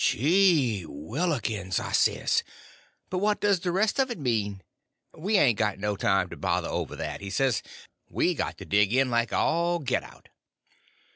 "Geewhillikins," I says, "but what does the rest of it mean?" "We ain't got no time to bother over that," he says; "we got to dig in like all git out."